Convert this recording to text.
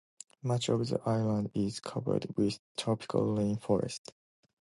Much of the island is covered with tropical rain forest.